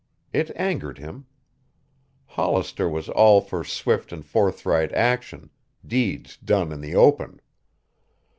It angered him. Hollister was all for swift and forthright action, deeds done in the open.